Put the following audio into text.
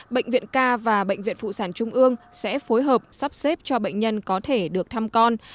bệnh viện k và bệnh viện phụ sản trung ương sẽ phối hợp sắp xếp cho bệnh nhân có thể được thăm con